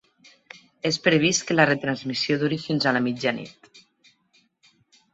És previst que la retransmissió duri fins a la mitjanit.